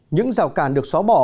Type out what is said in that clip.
những rào cản được xóa bỏ